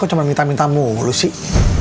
kok cuma minta minta mulu sih